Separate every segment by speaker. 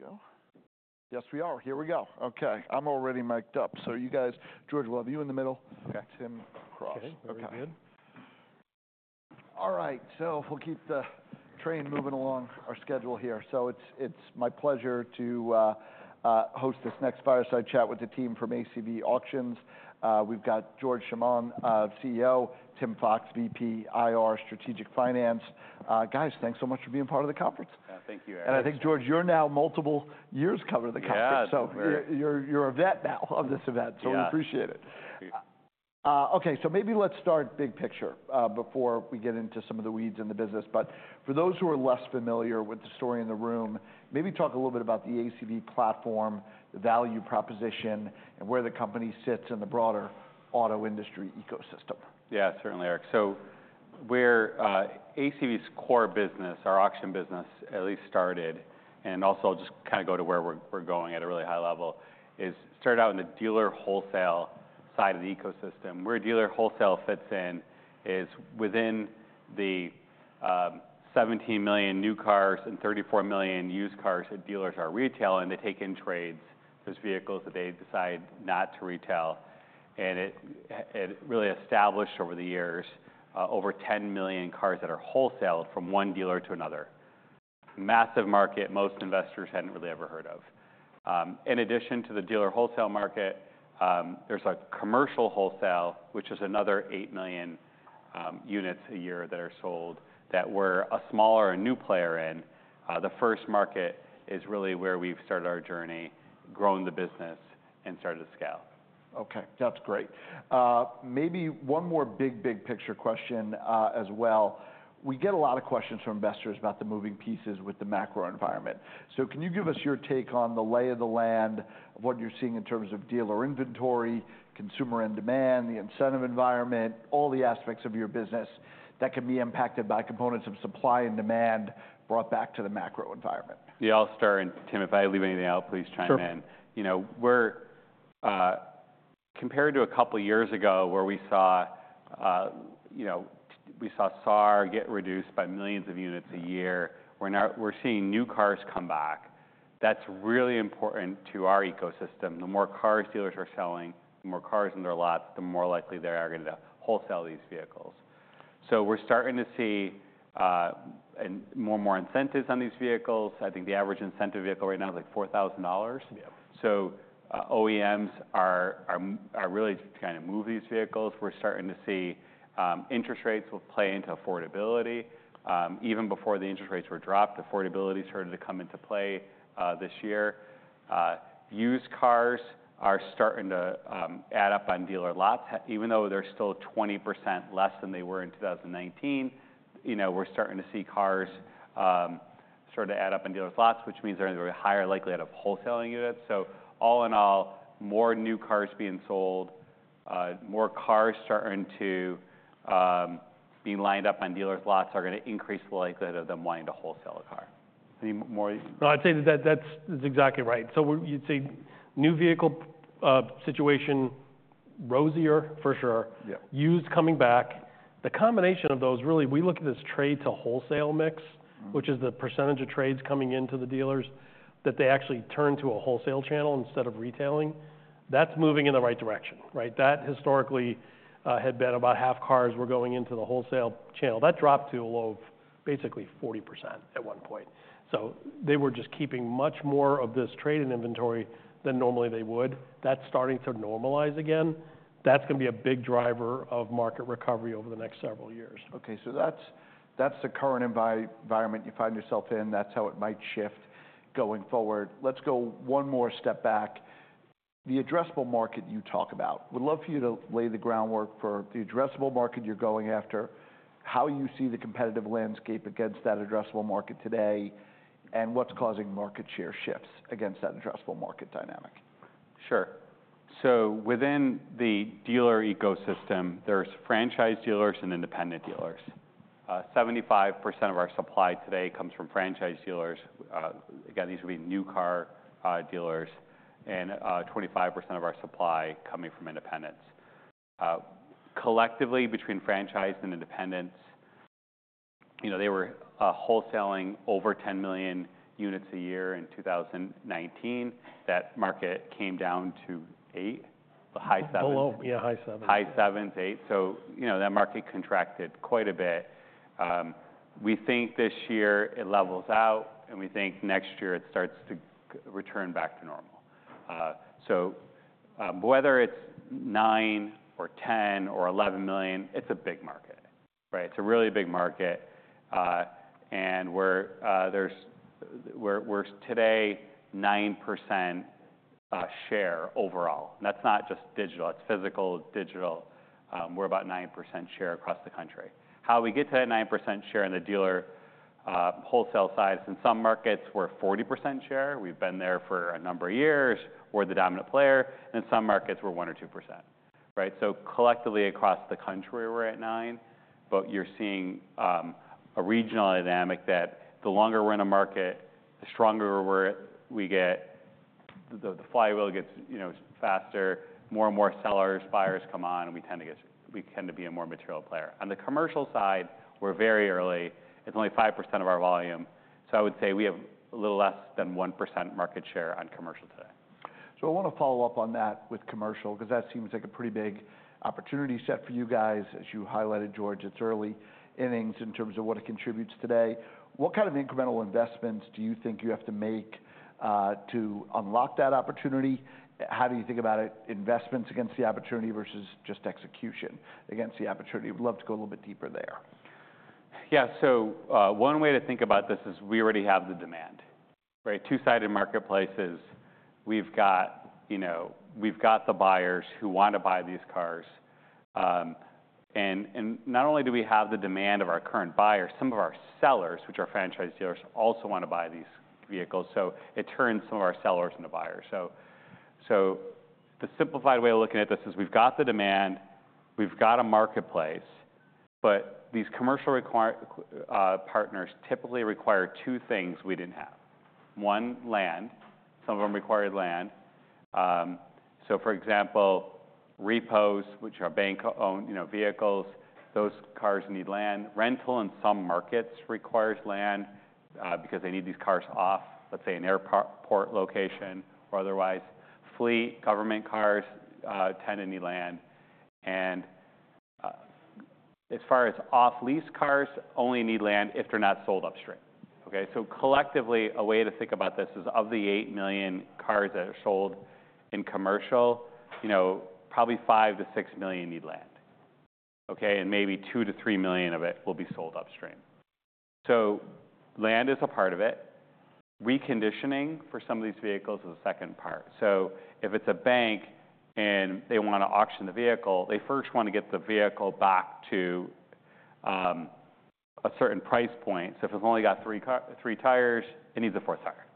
Speaker 1: Are we ready to go?
Speaker 2: Yes, we are. Here we go. Okay, I'm already mic'd up. So you guys, George, we'll have you in the middle. Got Tim Fox.
Speaker 1: Okay, very good.
Speaker 2: All right, so we'll keep the train moving along our schedule here. So it's my pleasure to host this next fireside chat with the team from ACV Auctions. We've got George Chamoun, CEO, Tim Fox, VP, IR, Strategic Finance. Guys, thanks so much for being part of the conference.
Speaker 1: Thank you, Eric.
Speaker 2: I think, George, you're now multiple years covering the conference.
Speaker 1: Yeah, so very
Speaker 2: You're a vet now of this event-
Speaker 1: Yeah...
Speaker 2: so we appreciate it.
Speaker 1: Thank you.
Speaker 2: Okay, so maybe let's start big picture, before we get into some of the weeds in the business, but for those who are less familiar with the story in the room, maybe talk a little bit about the ACV platform, the value proposition, and where the company sits in the broader auto industry ecosystem.
Speaker 1: Yeah, certainly, Eric. So where ACV's core business, our auction business, at least started, and also just kind of go to where we're going at a really high level, is started out in the dealer wholesale side of the ecosystem. Where dealer wholesale fits in is within the 17 million new cars and 34 million used cars that dealers are retailing, they take in trades. Those vehicles that they decide not to retail, and it really established over the years, over 10 million cars that are wholesaled from one dealer to another. Massive market most investors hadn't really ever heard of. In addition to the dealer wholesale market, there's a commercial wholesale, which is another 8 million units a year that are sold that we're a smaller and new player in. The first market is really where we've started our journey, growing the business and started to scale.
Speaker 2: Okay, that's great. Maybe one more big, big picture question, as well. We get a lot of questions from investors about the moving pieces with the macro environment. So can you give us your take on the lay of the land, of what you're seeing in terms of dealer inventory, consumer and demand, the incentive environment, all the aspects of your business that can be impacted by components of supply and demand brought back to the macro environment?
Speaker 1: Yeah, I'll start, and Tim, if I leave anything out, please chime in.
Speaker 3: Sure.
Speaker 1: You know, we're compared to a couple of years ago, where we saw SAAR get reduced by millions of units a year. We're now seeing new cars come back. That's really important to our ecosystem. The more cars dealers are selling, the more cars in their lots, the more likely they are going to wholesale these vehicles. So we're starting to see and more and more incentives on these vehicles. I think the average incentive vehicle right now is, like, $4,000.
Speaker 3: Yeah.
Speaker 1: So, OEMs are really trying to move these vehicles. We're starting to see interest rates will play into affordability. Even before the interest rates were dropped, affordability started to come into play this year. Used cars are starting to add up on dealer lots, even though they're still 20% less than they were in 2019. You know, we're starting to see cars start to add up on dealers' lots, which means they're in a higher likelihood of wholesaling units. So all in all, more new cars being sold, more cars starting to be lined up on dealers' lots are gonna increase the likelihood of them wanting to wholesale a car. Any more?
Speaker 3: No, I'd say that that's exactly right. So you'd say new vehicle situation, rosier for sure.
Speaker 1: Yeah.
Speaker 3: Used coming back. The combination of those, really, we look at this trade to wholesale mix.
Speaker 2: Mm-hmm...
Speaker 3: which is the percentage of trades coming into the dealers, that they actually turn to a wholesale channel instead of retailing. That's moving in the right direction, right? That historically had been about half cars were going into the wholesale channel. That dropped to a low of basically 40% at one point. So they were just keeping much more of this trade in inventory than normally they would. That's starting to normalize again. That's gonna be a big driver of market recovery over the next several years.
Speaker 2: Okay, so that's, that's the current environment you find yourself in. That's how it might shift going forward. Let's go one more step back. The addressable market you talk about, would love for you to lay the groundwork for the addressable market you're going after, how you see the competitive landscape against that addressable market today, and what's causing market share shifts against that addressable market dynamic?
Speaker 1: Sure. So within the dealer ecosystem, there's franchise dealers and independent dealers. 75% of our supply today comes from franchise dealers. Again, these would be new car dealers, and 25% of our supply coming from independents. Collectively, between franchise and independents, you know, they were wholesaling over 10 million units a year in 2019. That market came down to 8, high 7s-
Speaker 3: Below, yeah, high sevens....
Speaker 1: High sevens, eight. So, you know, that market contracted quite a bit. We think this year it levels out, and we think next year it starts to return back to normal. So, whether it's 9 or 10 or 11 million, it's a big market, right? It's a really big market. And we're today 9% share overall. That's not just digital, it's physical, it's digital. We're about 9% share across the country. How we get to that 9% share in the dealer wholesale side is in some markets, we're 40% share. We've been there for a number of years. We're the dominant player, and in some markets, we're 1% or 2%, right? So collectively, across the country, we're at nine, but you're seeing a regional dynamic that the longer we're in a market, the stronger we get, the flywheel gets, you know, faster, more and more sellers, buyers come on, and we tend to be a more material player. On the commercial side, we're very early. It's only 5% of our volume. So I would say we have a little less than 1% market share on commercial today.
Speaker 2: So I want to follow up on that with commercial, because that seems like a pretty big opportunity set for you guys. As you highlighted, George, it's early innings in terms of what it contributes today. What kind of incremental investments do you think you have to make to unlock that opportunity? How do you think about IT investments against the opportunity versus just execution against the opportunity? I'd love to go a little bit deeper there.
Speaker 1: Yeah. So, one way to think about this is we already have the demand, right? Two-sided marketplaces. We've got, you know, we've got the buyers who want to buy these cars. And not only do we have the demand of our current buyers, some of our sellers, which are franchise dealers, also want to buy these vehicles, so it turns some of our sellers into buyers. So the simplified way of looking at this is we've got the demand, we've got a marketplace, but these commercial partners typically require two things we didn't have. One, land. Some of them required land. So for example, repos, which are bank-owned, you know, vehicles, those cars need land. Rental in some markets requires land, because they need these cars off, let's say, an airport location or otherwise. Fleet, government cars tend to need land. As far as off-lease cars, they only need land if they're not sold upstream. Okay, so collectively, a way to think about this is, of the eight million cars that are sold in commercial, you know, probably 5 million-6 million need land, okay? And maybe two to three million of it will be sold upstream. So land is a part of it. Reconditioning for some of these vehicles is the second part. So if it's a bank and they want to auction the vehicle, they first want to get the vehicle back to a certain price point. So if it's only got three tires, it needs a fourth tire,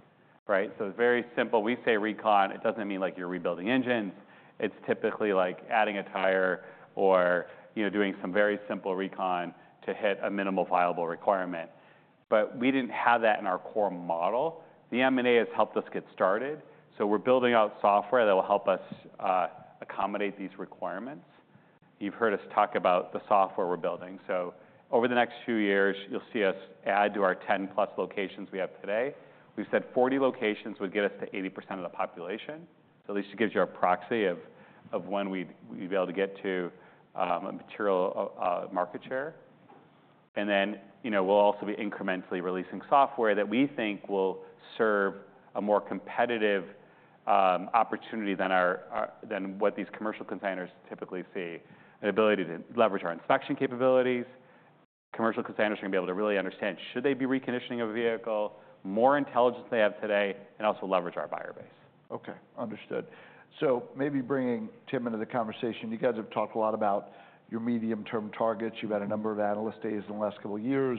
Speaker 1: right? So it's very simple. We say recon, it doesn't mean like you're rebuilding engines. It's typically like adding a tire or, you know, doing some very simple recon to hit a minimal viable requirement. But we didn't have that in our core model. The M&A has helped us get started, so we're building out software that will help us accommodate these requirements. You've heard us talk about the software we're building. So over the next few years, you'll see us add to our 10+ locations we have today. We've said forty locations would get us to 80% of the population, so at least it gives you a proxy of when we'd be able to get to a material market share. And then, you know, we'll also be incrementally releasing software that we think will serve a more competitive opportunity than what these commercial containers typically see. An ability to leverage our inspection capabilities. Commercial consignors are going to be able to really understand whether they should be reconditioning a vehicle more intelligently than they have today, and also leverage our buyer base.
Speaker 2: Okay, understood. So maybe bringing Tim into the conversation, you guys have talked a lot about your medium-term targets. You've had a number of analyst days in the last couple of years,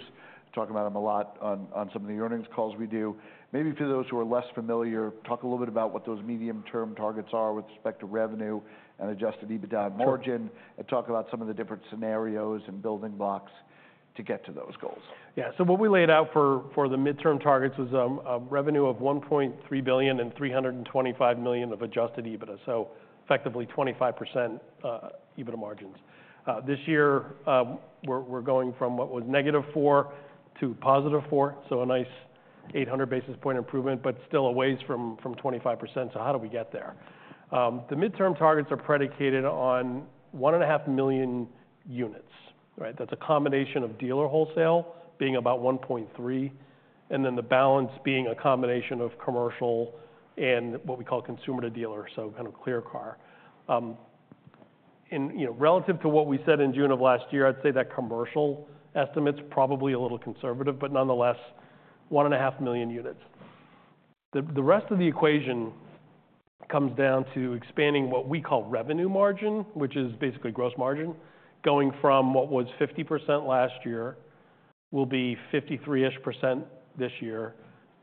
Speaker 2: talking about them a lot on some of the earnings calls we do. Maybe for those who are less familiar, talk a little bit about what those medium-term targets are with respect to revenue and adjusted EBITDA margin-
Speaker 1: Sure.
Speaker 2: and talk about some of the different scenarios and building blocks to get to those goals.
Speaker 3: Yeah. So what we laid out for the midterm targets was a revenue of $1.3 billion and $325 million of adjusted EBITDA, so effectively 25% EBITDA margins. This year, we're going from what was -4% to +4%, so a nice 800 basis point improvement, but still a ways from 25%. So how do we get there? The mid-term targets are predicated on 1.5 million units, right? That's a combination of dealer wholesale being about 1.3, and then the balance being a combination of commercial and what we call consumer to dealer, so kind of ClearCar. And, you know, relative to what we said in June of last year, I'd say that commercial estimate's probably a little conservative, but nonetheless, 1.5 million units. The rest of the equation comes down to expanding what we call revenue margin, which is basically gross margin, going from what was 50% last year, will be 53-ish% this year,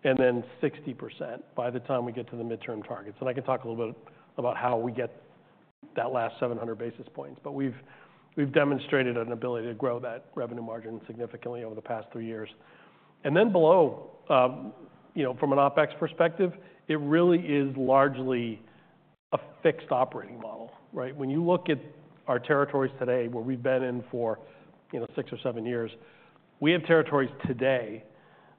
Speaker 3: and then 60% by the time we get to the midterm targets. And I can talk a little bit about how we get that last 700 basis points, but we've demonstrated an ability to grow that revenue margin significantly over the past three years. And then below, you know, from an OpEx perspective, it really is largely a fixed operating model, right? When you look at our territories today, where we've been in for, you know, six or seven years, we have territories today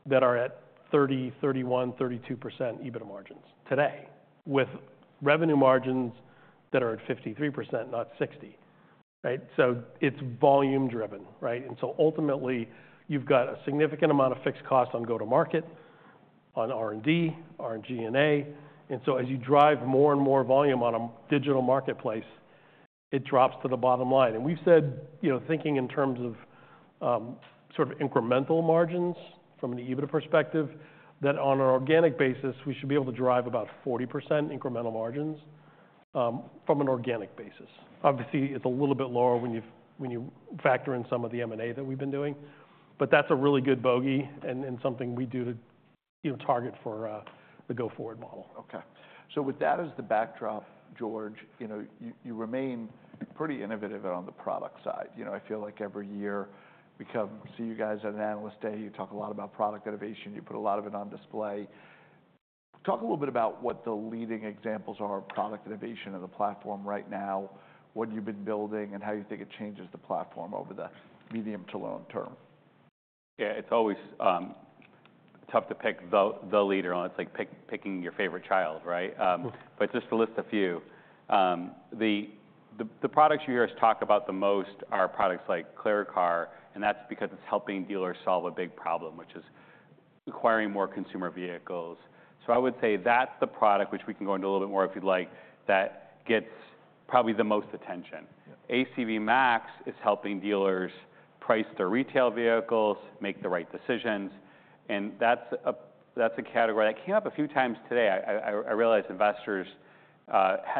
Speaker 3: that are at 30%, 31%, 32% EBITDA margins. Today, with revenue margins that are at 53%, not 60%. Right? So it's volume driven, right? And so ultimately, you've got a significant amount of fixed costs on go-to-market, on R&D, G&A. And so as you drive more and more volume on a digital marketplace, it drops to the bottom line. And we've said, you know, thinking in terms of sort of incremental margins from an EBITDA perspective, that on an organic basis, we should be able to drive about 40% incremental margins from an organic basis. Obviously, it's a little bit lower when you factor in some of the M&A that we've been doing, but that's a really good bogey and, and something we do to, you know, target for the go-forward model.
Speaker 2: Okay. So with that as the backdrop, George, you know, you remain pretty innovative on the product side. You know, I feel like every year we come see you guys at an analyst day, you talk a lot about product innovation, you put a lot of it on display... Talk a little bit about what the leading examples are of product innovation in the platform right now, what you've been building, and how you think it changes the platform over the medium to long-term.
Speaker 1: Yeah, it's always tough to pick the leader on it. It's like picking your favorite child, right? But just to list a few, the products you hear us talk about the most are products like ClearCar, and that's because it's helping dealers solve a big problem, which is acquiring more consumer vehicles. So I would say that's the product, which we can go into a little bit more if you'd like, that gets probably the most attention.
Speaker 2: Yeah.
Speaker 1: ACV MAX is helping dealers price their retail vehicles, make the right decisions, and that's a category that came up a few times today. I realize investors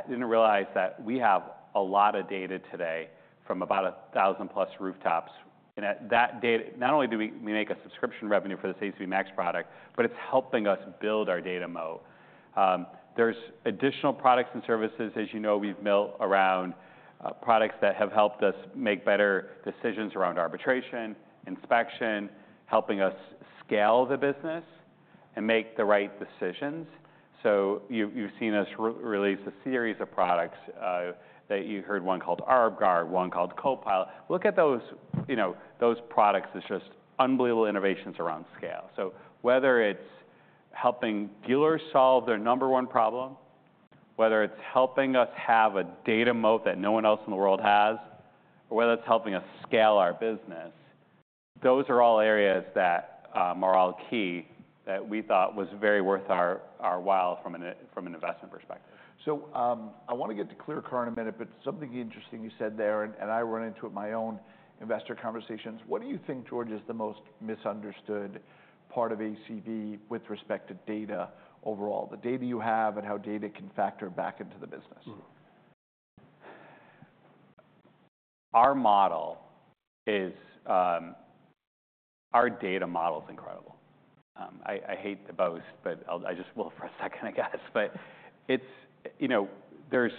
Speaker 1: didn't realize that we have a lot of data today from about a thousand plus rooftops, and at that data. Not only do we make a subscription revenue for this ACV MAX product, but it's helping us build our data moat. There's additional products and services, as you know, we've built around products that have helped us make better decisions around arbitration, inspection, helping us scale the business and make the right decisions. So you've seen us release a series of products that you heard, one called ArbGuard, one called Co-Pilot. Look at those, you know, those products as just unbelievable innovations around scale. So whether it's helping dealers solve their number one problem, whether it's helping us have a data moat that no one else in the world has, or whether it's helping us scale our business, those are all areas that are all key, that we thought was very worth our while from an investment perspective.
Speaker 2: I want to get to ClearCar in a minute, but something interesting you said there, and I run into it in my own investor conversations. What do you think, George, is the most misunderstood part of ACV with respect to data overall? The data you have and how data can factor back into the business.
Speaker 1: Mm-hmm. Our model is. Our data model is incredible. I hate to boast, but I'll I just will for a second, I guess. But it's, you know, there's,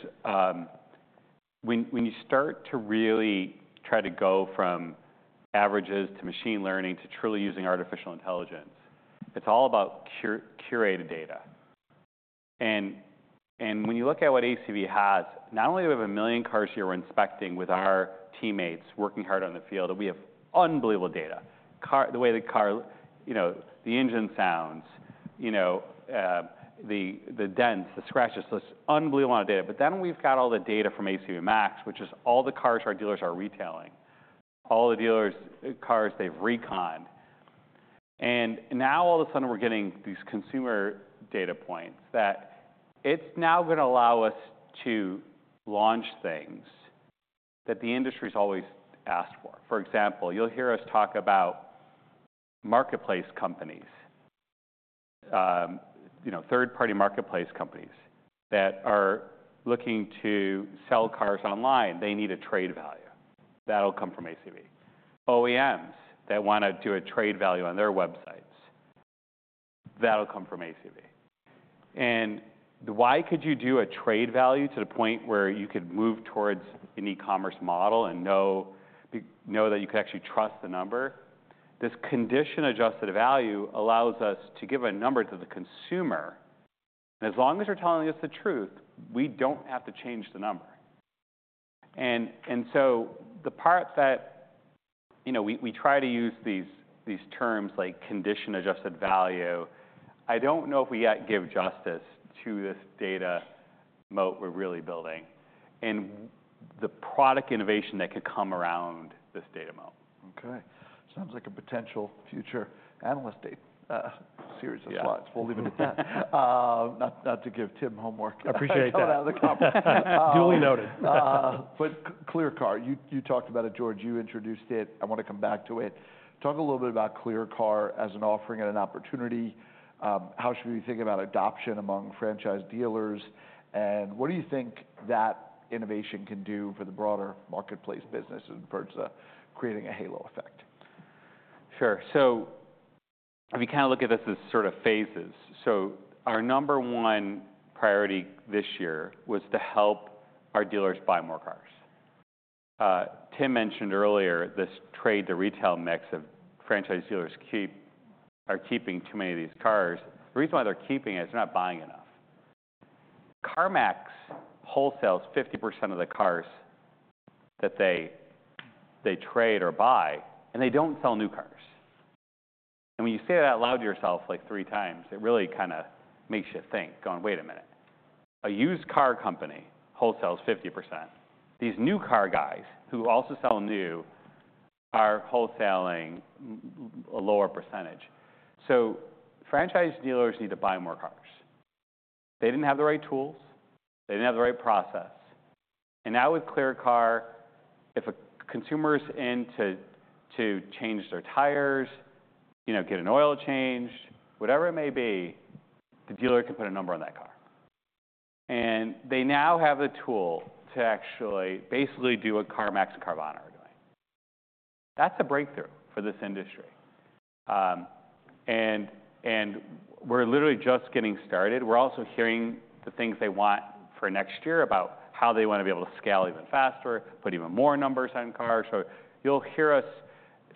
Speaker 1: when you start to really try to go from averages to machine learning, to truly using artificial intelligence, it's all about curated data. And when you look at what ACV has, not only do we have a million cars a year we're inspecting with our teammates working hard on the field, but we have unbelievable data. The way the car, you know, the engine sounds, you know, the dents, the scratches, so it's unbelievable amount of data. But then we've got all the data from ACV MAX, which is all the cars our dealers are retailing, all the dealers' cars they've reconned. And now, all of a sudden, we're getting these consumer data points that it's now gonna allow us to launch things that the industry's always asked for. For example, you'll hear us talk about marketplace companies, you know, third-party marketplace companies that are looking to sell cars online. They need a trade value. That'll come from ACV. OEMs that wanna do a trade value on their websites, that'll come from ACV. And why could you do a trade value to the point where you could move towards an e-commerce model and know, you know, that you could actually trust the number? This condition-adjusted value allows us to give a number to the consumer, and as long as you're telling us the truth, we don't have to change the number. And so the part that... You know, we try to use these terms like condition-adjusted value. I don't know if we yet give justice to this data moat we're really building and the product innovation that could come around this data moat.
Speaker 2: Okay. Sounds like a potential future analyst day, series of slides.
Speaker 1: Yeah.
Speaker 2: We'll leave it at that. Not to give Tim homework-
Speaker 1: I appreciate that!
Speaker 2: out of the company.
Speaker 1: Duly noted.
Speaker 2: But ClearCar, you talked about it, George. You introduced it. I wanna come back to it. Talk a little bit about ClearCar as an offering and an opportunity. How should we think about adoption among franchise dealers, and what do you think that innovation can do for the broader marketplace business in regards to creating a halo effect?
Speaker 1: Sure. So if you kind of look at this as sort of phases, so our number one priority this year was to help our dealers buy more cars. Tim mentioned earlier this trade-to-retail mix of franchise dealers are keeping too many of these cars. The reason why they're keeping it is they're not buying enough. CarMax wholesales 50% of the cars that they trade or buy, and they don't sell new cars. And when you say it out loud to yourself, like, three times, it really kinda makes you think, going, "Wait a minute. A used car company wholesales 50%. These new car guys, who also sell new, are wholesaling a lower percentage." So franchise dealers need to buy more cars. They didn't have the right tools, they didn't have the right process, and now with ClearCar, if a consumer's in to change their tires, you know, get an oil change, whatever it may be, the dealer can put a number on that car, and they now have the tool to actually basically do what CarMax and Carvana are doing. That's a breakthrough for this industry. We're literally just getting started. We're also hearing the things they want for next year, about how they wanna be able to scale even faster, put even more numbers on cars.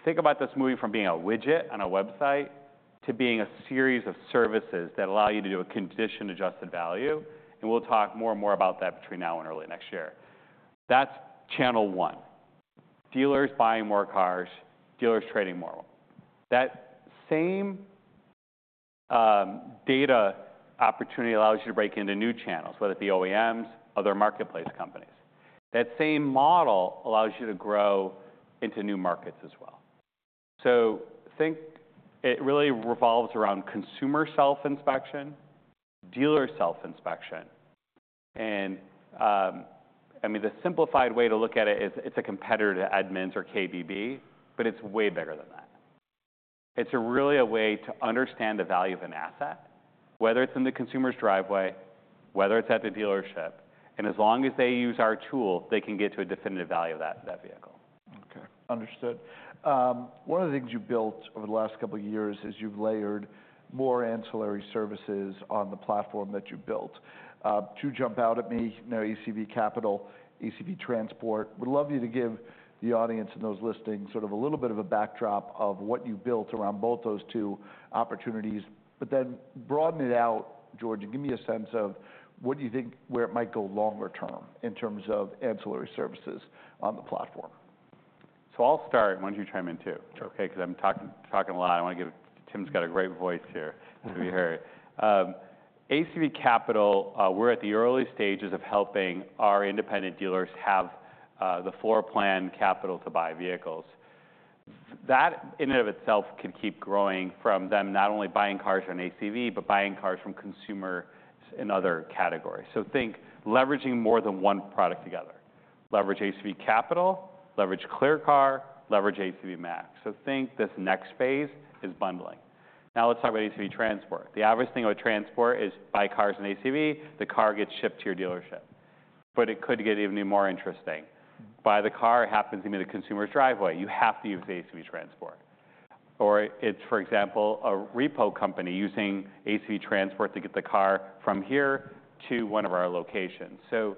Speaker 1: Think about this moving from being a widget on a website to being a series of services that allow you to do a condition-adjusted value, and we'll talk more and more about that between now and early next year. That's channel one: dealers buying more cars, dealers trading more. That same, data opportunity allows you to break into new channels, whether it be OEMs, other marketplace companies. That same model allows you to grow into new markets as well. So think it really revolves around consumer self-inspection, dealer self-inspection, and, I mean, the simplified way to look at it is it's a competitor to Edmunds or KBB, but it's way bigger than that. It's really a way to understand the value of an asset, whether it's in the consumer's driveway, whether it's at the dealership, and as long as they use our tool, they can get to a definitive value of that vehicle.
Speaker 2: Okay, understood. One of the things you've built over the last couple of years is you've layered more ancillary services on the platform that you built. Two jump out at me, you know, ACV Capital, ACV Transport. Would love you to give the audience and those listening sort of a little bit of a backdrop of what you've built around both those two opportunities, but then broaden it out, George, and give me a sense of what do you think where it might go longer-term in terms of ancillary services on the platform?
Speaker 1: So I'll start. Why don't you chime in, too?
Speaker 2: Sure.
Speaker 1: Okay, 'cause I'm talking, talking a lot. I want to give Tim's got a great voice here to be heard. ACV Capital, we're at the early stages of helping our independent dealers have the floor plan capital to buy vehicles. That, in and of itself, can keep growing from them not only buying cars from ACV, but buying cars from consumers in other categories. So think leveraging more than one product together. Leverage ACV Capital, leverage ClearCar, leverage ACV MAX. So think this next phase is bundling. Now, let's talk about ACV Transport. The advantage thing about Transport is buy cars from ACV, the car gets shipped to your dealership, but it could get even more interesting. Buy the car, it happens to be in the consumer's driveway, you have to use ACV Transport. Or it's, for example, a repo company using ACV Transport to get the car from here to one of our locations. So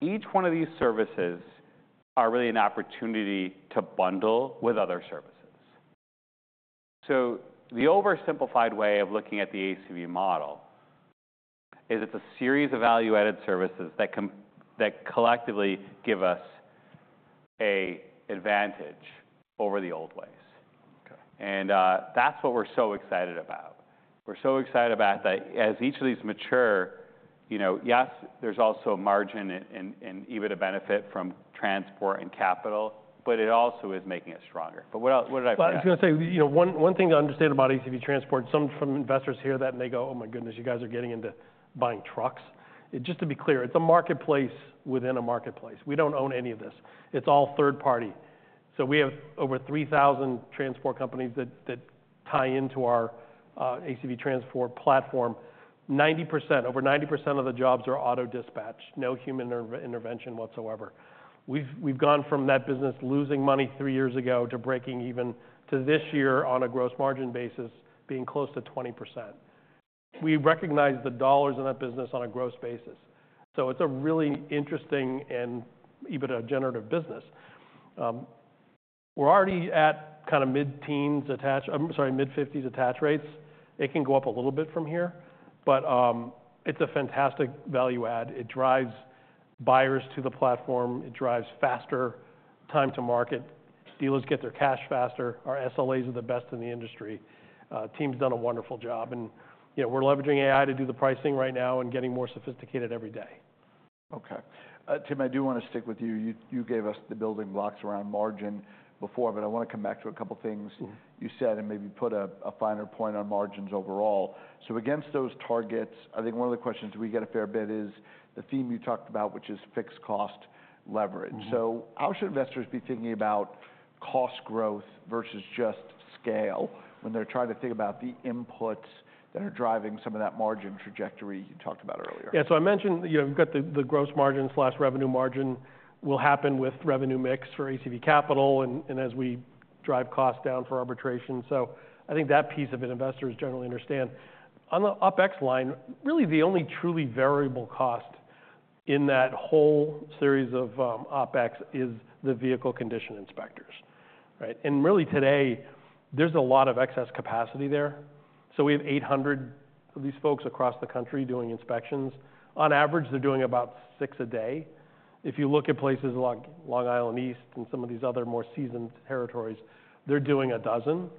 Speaker 1: each one of these services are really an opportunity to bundle with other services. So the oversimplified way of looking at the ACV model is it's a series of value-added services that collectively give us an advantage over the old ways.
Speaker 2: Okay.
Speaker 1: And that's what we're so excited about. We're so excited about that. As each of these mature, you know, yes, there's also margin and EBITDA benefit from transport and capital, but it also is making us stronger. But what else, what did I forget?
Speaker 3: I was going to say, you know, one thing to understand about ACV Transport. Some from investors hear that, and they go: "Oh, my goodness, you guys are getting into buying trucks?" Just to be clear, it's a marketplace within a marketplace. We don't own any of this. It's all third party. So we have over three thousand transport companies that tie into our ACV Transport platform. 90%—over 90% of the jobs are auto-dispatched, no human intervention whatsoever. We've gone from that business losing money three years ago to breaking even, to this year on a gross margin basis, being close to 20%. We recognize the dollars in that business on a gross basis, so it's a really interesting and EBITDA generative business. We're already at kind of mid-teens attach. I'm sorry, mid-fifties attach rates. It can go up a little bit from here, but, it's a fantastic value add. It drives buyers to the platform. It drives faster time to market. Dealers get their cash faster. Our SLAs are the best in the industry. Team's done a wonderful job, and, you know, we're leveraging AI to do the pricing right now and getting more sophisticated every day.
Speaker 2: Okay. Tim, I do want to stick with you. You gave us the building blocks around margin before, but I want to come back to a couple of things-
Speaker 3: Mm-hmm.
Speaker 2: You said and maybe put a finer point on margins overall, so against those targets, I think one of the questions we get a fair bit is the theme you talked about, which is fixed cost leverage.
Speaker 3: Mm-hmm.
Speaker 2: How should investors be thinking about cost growth versus just scale when they're trying to think about the inputs that are driving some of that margin trajectory you talked about earlier?
Speaker 3: Yeah. So I mentioned, you know, we've got the, the gross margin/revenue margin will happen with revenue mix for ACV Capital and, and as we drive costs down for arbitration. So I think that piece of it, investors generally understand. On the OpEx line, really the only truly variable cost in that whole series of, OpEx is the vehicle condition inspectors, right? And really, today, there's a lot of excess capacity there. So we have 800 of these folks across the country doing inspections. On average, they're doing about six a day. If you look at places like Long Island East and some of these other more seasoned territories, they're doing 12,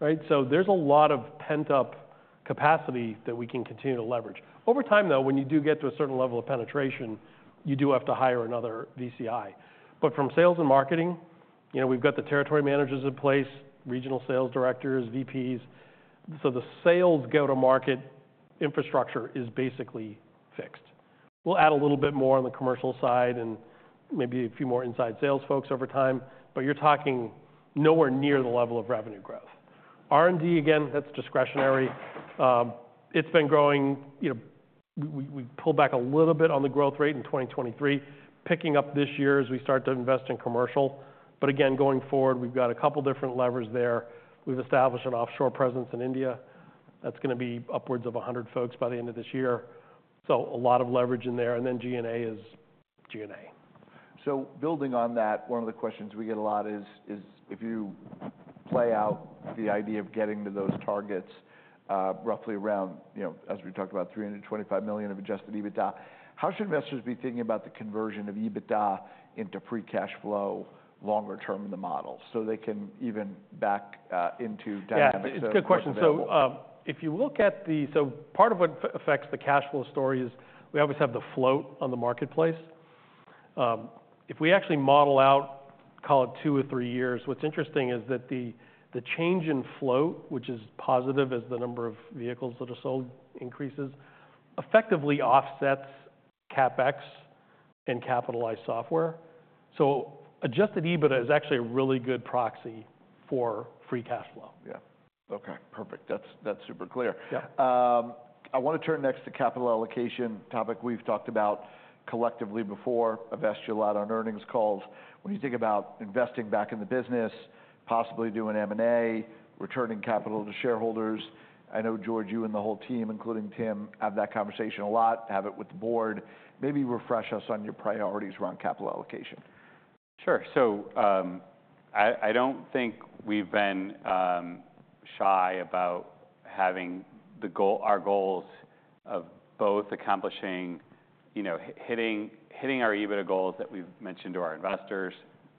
Speaker 3: right? So there's a lot of pent-up capacity that we can continue to leverage. Over time, though, when you do get to a certain level of penetration, you do have to hire another VCI. But from sales and marketing, you know, we've got the territory managers in place, regional sales directors, VPs, so the sales go-to-market infrastructure is basically fixed. We'll add a little bit more on the commercial side and maybe a few more inside sales folks over time, but you're talking nowhere near the level of revenue growth. R&D, again, that's discretionary. It's been growing. You know, we pulled back a little bit on the growth rate in 2023, picking up this year as we start to invest in commercial. But again, going forward, we've got a couple different levers there. We've established an offshore presence in India. That's gonna be upwards of a hundred folks by the end of this year. So a lot of leverage in there. And then G&A is-...
Speaker 2: G&A. So building on that, one of the questions we get a lot is if you play out the idea of getting to those targets, roughly around, you know, as we talked about, $325 million of adjusted EBITDA, how should investors be thinking about the conversion of EBITDA into free cash flow longer-term in the model so they can even back into dynamics that are more available?
Speaker 3: Yeah, it's a good question. So, if you look at, so, part of what affects the cash flow story is we always have the float on the marketplace. If we actually model out, call it two or three years, what's interesting is that the change in float, which is positive as the number of vehicles that are sold increases, effectively offsets CapEx and capitalized software. So adjusted EBITDA is actually a really good proxy for free cash flow.
Speaker 2: Yeah. Okay, perfect. That's, that's super clear.
Speaker 3: Yeah.
Speaker 2: I want to turn next to capital allocation, a topic we've talked about collectively before, invest a lot on earnings calls. When you think about investing back in the business, possibly doing M&A, returning capital to shareholders, I know, George, you and the whole team, including Tim, have that conversation a lot, have it with the board. Maybe refresh us on your priorities around capital allocation.
Speaker 1: Sure. So, I don't think we've been shy about having our goals of both accomplishing, you know, hitting our EBITDA goals that we've mentioned to our investors.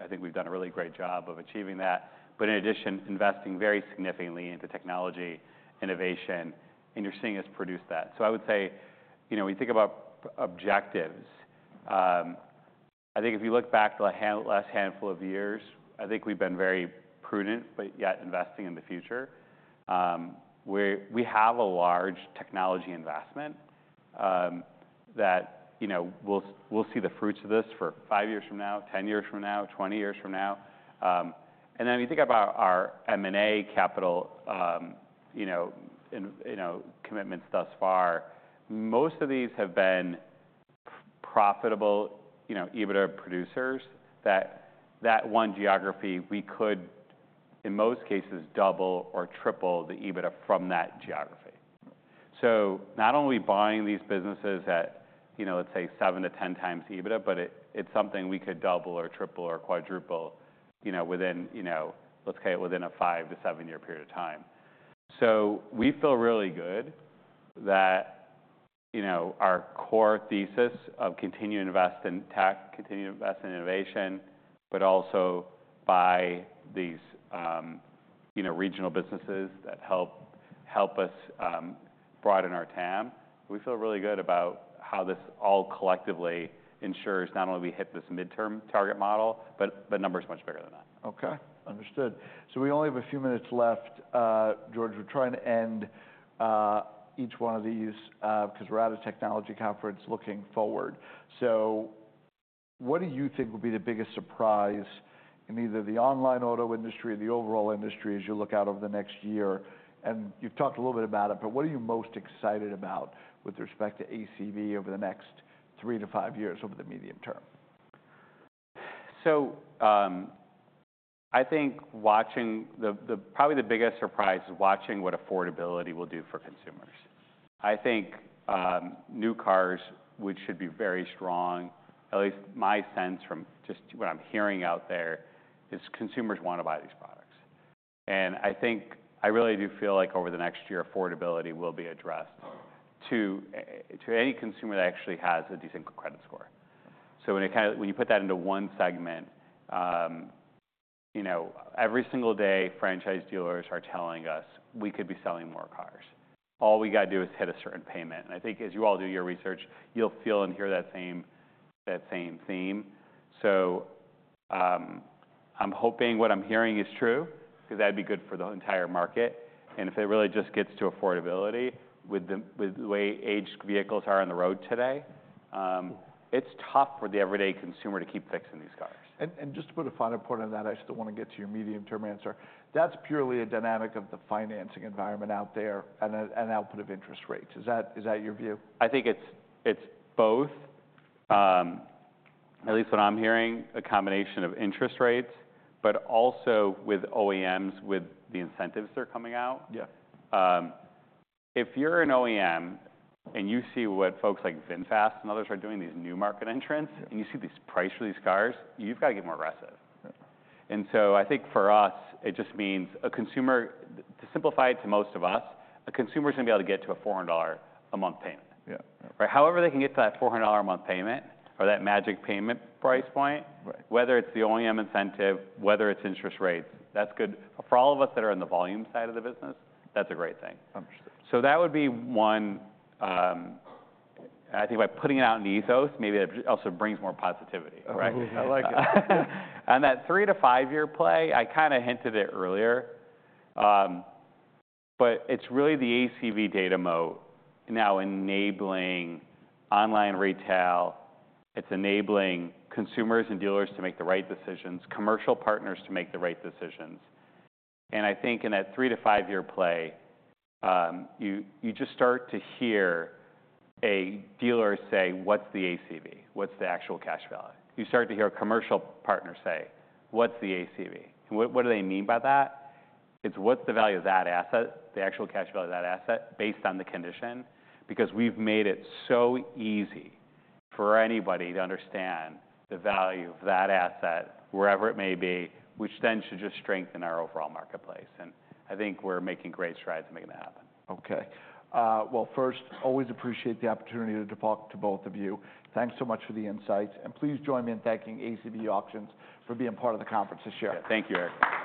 Speaker 1: I think we've done a really great job of achieving that. But in addition, investing very significantly into technology, innovation, and you're seeing us produce that. So I would say, you know, when you think about objectives, I think if you look back to the last handful of years, I think we've been very prudent, but yet investing in the future. We have a large technology investment, you know, we'll see the fruits of this for five years from now, 10 years from now, 20 years from now. And then when you think about our M&A capital, you know, commitments thus far, most of these have been profitable, you know, EBITDA producers, that one geography we could, in most cases, double or triple the EBITDA from that geography. So not only buying these businesses at, you know, let's say 7x-10x EBITDA, but it's something we could double or triple or quadruple, you know, within, you know, let's say within a 5-7-year period of time. So we feel really good that, you know, our core thesis of continue to invest in tech, continue to invest in innovation, but also buy these, you know, regional businesses that help us broaden our TAM. We feel really good about how this all collectively ensures not only we hit this mid-term target model, but the number is much bigger than that.
Speaker 2: Okay, understood. So we only have a few minutes left. George, we're trying to end each one of these because we're at a technology conference, looking forward. So what do you think will be the biggest surprise in either the online auto industry or the overall industry as you look out over the next year? And you've talked a little bit about it, but what are you most excited about with respect to ACV over the next three to five years, over the medium-term?
Speaker 1: I think watching... The, probably the biggest surprise is watching what affordability will do for consumers. I think new cars, which should be very strong, at least my sense from just what I'm hearing out there, is consumers want to buy these products. And I think I really do feel like over the next year, affordability will be addressed-
Speaker 2: Uh-huh.
Speaker 1: to any consumer that actually has a decent credit score. So when you put that into one segment, you know, every single day, franchise dealers are telling us, "We could be selling more cars. All we gotta do is hit a certain payment." And I think as you all do your research, you'll feel and hear that same theme. So, I'm hoping what I'm hearing is true, because that'd be good for the entire market. And if it really just gets to affordability with the way aged vehicles are on the road today, it's tough for the everyday consumer to keep fixing these cars.
Speaker 2: Just to put a final point on that, I still want to get to your medium-term answer. That's purely a dynamic of the financing environment out there and an output of interest rates. Is that your view?
Speaker 1: I think it's, it's both. At least what I'm hearing, a combination of interest rates, but also with OEMs, with the incentives that are coming out.
Speaker 2: Yeah.
Speaker 1: If you're an OEM and you see what folks like VinFast and others are doing, these new market entrants-
Speaker 2: Yeah...
Speaker 1: and you see these prices for these cars, you've got to get more aggressive.
Speaker 2: Yeah.
Speaker 1: I think for us, it just means a consumer... To simplify it to most of us, a consumer's gonna be able to get to a $400 a month payment.
Speaker 2: Yeah.
Speaker 1: Right? However, they can get to that $400 a month payment or that magic payment price point-
Speaker 2: Right...
Speaker 1: whether it's the OEM incentive, whether it's interest rates, that's good. For all of us that are in the volume side of the business, that's a great thing.
Speaker 2: Understood.
Speaker 1: So that would be one. I think by putting it out in the ether, maybe it also brings more positivity, right?
Speaker 2: I like it.
Speaker 1: And that 3-5-year play, I kind of hinted it earlier, but it's really the ACV data moat now enabling online retail. It's enabling consumers and dealers to make the right decisions, commercial partners to make the right decisions. And I think in a three to five-year play, you, you just start to hear a dealer say, "What's the ACV? What's the actual cash value?" You start to hear a commercial partner say: "What's the ACV?" What, what do they mean by that? It's what's the value of that asset, the actual cash value of that asset, based on the condition? Because we've made it so easy for anybody to understand the value of that asset wherever it may be, which then should just strengthen our overall marketplace, and I think we're making great strides to making that happen.
Speaker 2: Okay. Well, first, always appreciate the opportunity to talk to both of you. Thanks so much for the insights, and please join me in thanking ACV Auctions for being part of the conference this year.
Speaker 1: Thank you, Eric.
Speaker 3: Thank you.